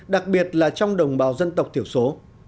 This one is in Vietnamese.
đặc biệt là trong đồng bào dân tộc thiểu số